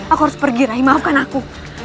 aku harus pergi rai maafkan aku